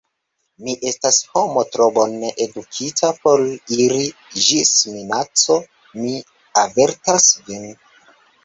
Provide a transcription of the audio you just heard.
Mi estas homo tro bone edukita por iri ĝis minaco: mi avertas vin.